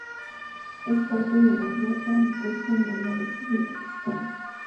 Es parte de la guerra en curso en el noroeste de Pakistán.